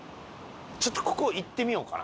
ちょっとここ行ってみようかな。